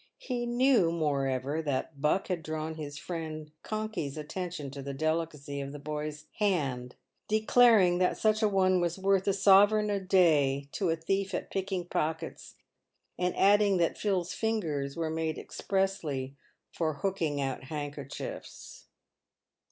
He knew, moreover, that Buck had drawn his friend Conkey's attention to the delicacy of the boy's hand, declariug that such a one was worth a sovereign a day to a thief at picking pockets, and adding that Phil's fingers were made expressly for hooking out handkerchiefs.